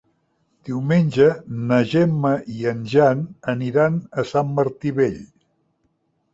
Diumenge na Gemma i en Jan aniran a Sant Martí Vell.